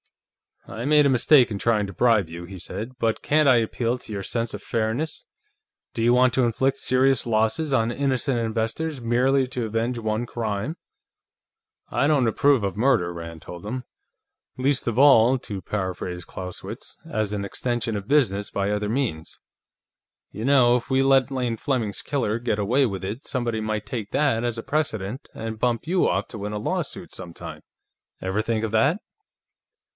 "I made a mistake in trying to bribe you," he said. "But can't I appeal to your sense of fairness? Do you want to inflict serious losses on innocent investors merely to avenge one crime?" "I don't approve of murder," Rand told him. "Least of all, to paraphrase Clausewitz, as an extension of business by other means. You know, if we let Lane Fleming's killer get away with it, somebody might take that as a precedent and bump you off to win a lawsuit, sometime. Ever think of that?"